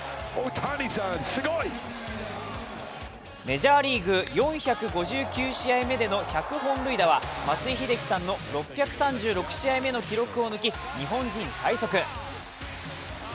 メジャーリーグ４５９試合目での１００本塁打は松井秀喜さんの６３６試合目の記録を抜き日本人最速。